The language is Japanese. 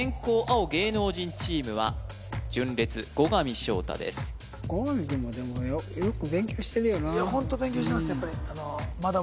青芸能人チームは純烈後上翔太ですいやホント勉強してます